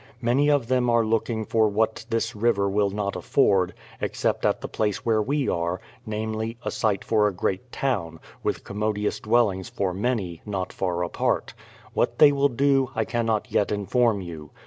Many of them are looking for what this river will not afford, except at the place where we are, namely, a site for a great town, with commodious dwellings for many, not far apart. What they will do I cannot yet inform you.